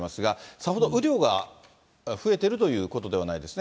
さほど雨量が増えてるということではないですね。